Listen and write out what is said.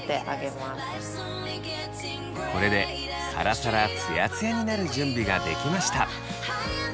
これでサラサラツヤツヤになる準備ができました。